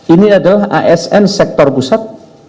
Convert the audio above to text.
ini adalah asn sektor pusat